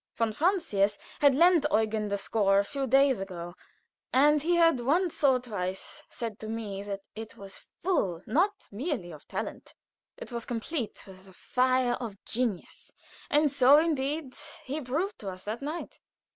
Von Francius had lent Eugen the score a few days ago, and he had once or twice said to me that it was full not merely of talent; it was replete with the fire of genius. And so, indeed, he proved to us that night.